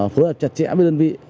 phối hợp chặt chẽ với đơn vị